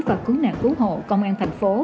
và cứu nạn cứu hộ công an tp hcm